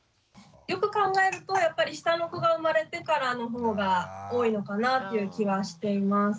よく考えるとやっぱり下の子が生まれてからの方が多いのかなっていう気はしています。